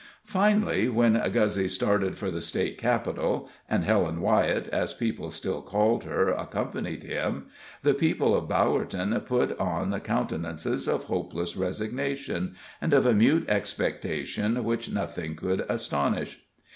Finally, when Guzzy started for the State capital, and Helen Wyett, as people still called her, accompanied him, the people of Bowerton put on countenances of hopeless resignation, and of a mute expectation which nothing could astonish.